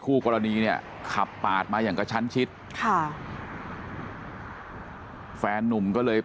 คู่กรณีเนี่ยขับปาดมาอย่างกระชั้นชิดค่ะแฟนนุ่มก็เลย